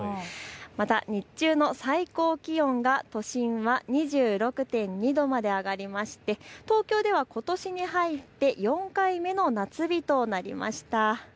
また日中の最高気温が都心は２６．２度まで上がりまして東京ではことしに入って４回目の夏日となりました。